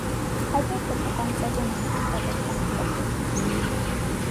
Հայտնի չէ, թե կոնկրետ ում է նվիրված այս բանաստեղծությունը։